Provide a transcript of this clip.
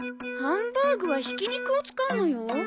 ハンバーグはひき肉を使うのよ。